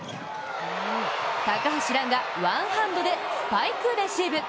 高橋藍がワンハンドでスパイクレシーブ。